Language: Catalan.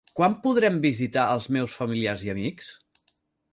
Quan podrem visitar els meus familiars i amics?